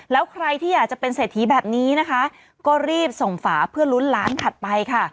แล้วใครที่อยากจะเป็นเศรษฐีแบบนี้นะคะก็รีบส่งฝาเพื่อลุ้นล้านถัดไปค่ะ